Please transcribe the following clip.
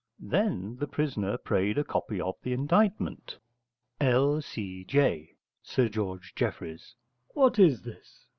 Then the prisoner prayed a copy of the indictment. L.C.J. (Sir George Jeffreys). What is this?